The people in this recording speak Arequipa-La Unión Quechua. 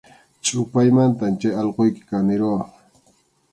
Chʼupaymantam chay allquyki kanirquwan.